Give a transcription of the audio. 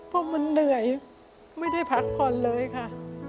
พวกมันเหนื่อยไม่ได้พักผ่อนเลยค่ะ